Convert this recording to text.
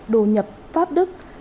đồ nhập pháp đức